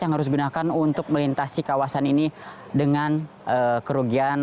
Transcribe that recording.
yang harus digunakan untuk melintasi kawasan ini dengan kerugian